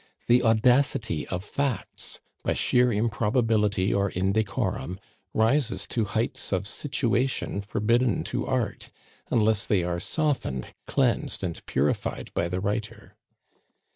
The audacity of facts, by sheer improbability or indecorum, rises to heights of "situation" forbidden to art, unless they are softened, cleansed, and purified by the writer.